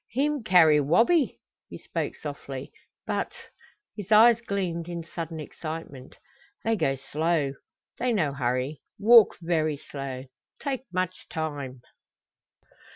"Heem carry Wabi," he spoke softly. "But " His eyes gleamed in sudden excitement. "They go slow! They no hurry! Walk very slow! Take much time!"